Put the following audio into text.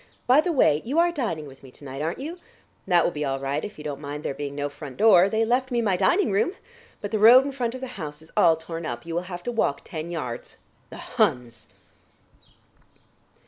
By the way, you are dining with me to night, aren't you? That will be all right, if you don't mind there being no front door; they left me my dining room. But the road in front of the house is all torn up; you will have to walk ten yards. The Huns!"